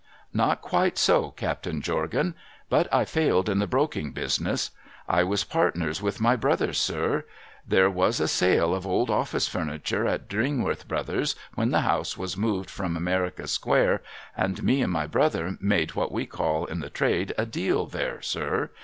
' Not quite so, Captain Jorgan ; but I failed in the broking business. I was partners with my brother, sir. There was a sale of old office furniture at Dringworth Brothers' when die house was moved from America square, and me and my brother made what we call in the trade a Deal there, sir.